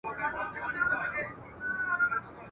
آیا غازیان له ماتي سره مخامخ سوي ول؟